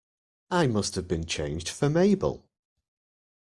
I must have been changed for Mabel!